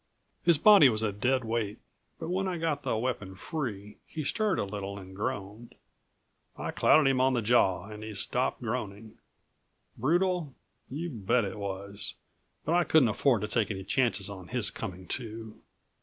His body was a dead weight, but when I got the weapon free he stirred a little and groaned. I clouted him on the jaw and he stopped groaning. Brutal? You bet it was, but I couldn't afford to take any chances on his coming to.